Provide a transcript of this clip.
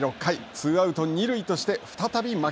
ツーアウト、二塁として再び牧。